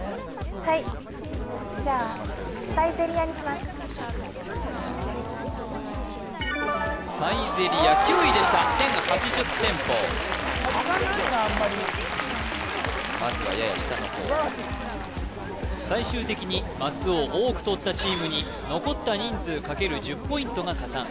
はいじゃあサイゼリヤにしますああサイゼリヤ９位でした１０８０店舗差がないなあんまりまずはやや下の方素晴らしい最終的にマスを多く取ったチームに残った人数×１０ポイントが加算